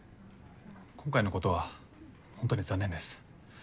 今回のことは本当に残念です。